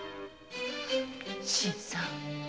新さん。